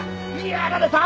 やられた！